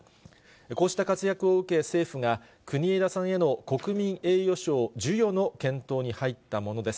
こうした活躍を受け、政府が国枝さんへの国民栄誉賞授与の検討に入ったものです。